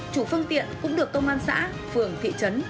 chủ phương tiện cũng được công an xã phường thị trấn